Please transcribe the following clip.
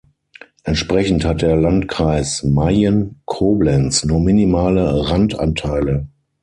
Entsprechend hat der Landkreis Mayen-Koblenz nur minimale Rand-Anteile.